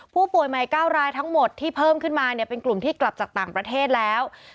ผู้ป่วยใหม่๙รายทั้งหมดที่เพิ่มขึ้นมาเนี่ยเป็นกลุ่มที่กลับจากต่างประเทศแล้ว